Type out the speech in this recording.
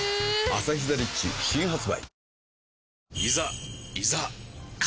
「アサヒザ・リッチ」新発売